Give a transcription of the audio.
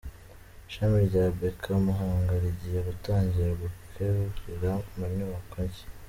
Ishami rya Beka Muhanga rigiye gutangira gukorera mu nyubako nshya